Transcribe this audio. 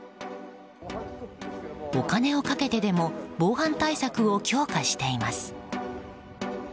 お金をかけてでも防犯対策を強化しています。